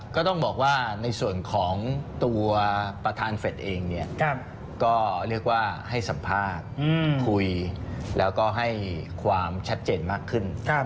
ก็ต้องบอกว่าในส่วนของตัวประธานเฟสเองเนี่ยก็เรียกว่าให้สัมภาษณ์คุยแล้วก็ให้ความชัดเจนมากขึ้น